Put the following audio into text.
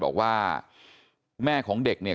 บอกว่าแม่ของเด็กเนี่ย